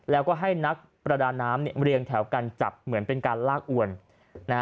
แล้วก็ให้นักประดาน้ำเนี่ยเรียงแถวกันจับเหมือนเป็นการลากอวนนะฮะ